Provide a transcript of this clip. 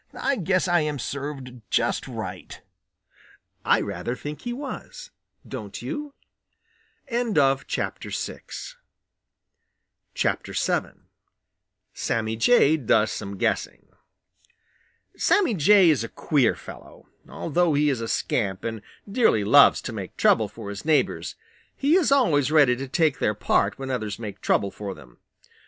"I guess I am served just right." I rather think he was, don't you? VII SAMMY JAY DOES SOME GUESSING Sammy Jay is a queer fellow. Although he is a scamp and dearly loves to make trouble for his neighbors, he is always ready to take their part when others make trouble for them.